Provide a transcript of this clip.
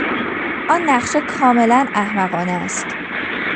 آن نقشه کاملا احمقانه است.